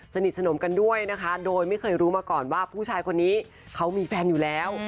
สนิทสนมกันด้วยนะคะโดยไม่เคยรู้มาก่อนว่าผู้ชายคนนี้เขามีแฟนอยู่แล้ว